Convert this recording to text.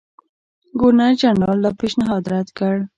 ګورنرجنرال دا پېشنهاد رد کړ.